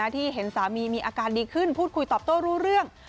ที่เห็นสามีมีอาการดีขึ้นพูดคุยตอบโต้รู้เรื่อง